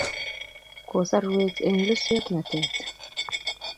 kosarwech en lusyotin natet